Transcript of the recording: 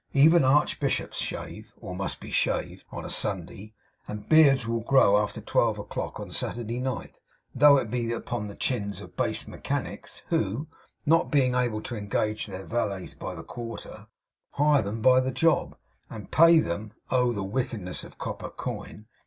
Even archbishops shave, or must be shaved, on a Sunday, and beards WILL grow after twelve o'clock on Saturday night, though it be upon the chins of base mechanics; who, not being able to engage their valets by the quarter, hire them by the job, and pay them oh, the wickedness of copper coin!